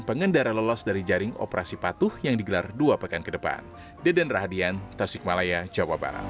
pengendara lolos dari jaring operasi patuh yang digelar dua pekan kedepan dedenrahdian tasikmalaya